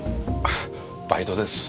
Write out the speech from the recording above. バイトです。